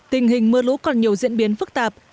tình hình mưa lũ còn nhiều diễn biến phức tạp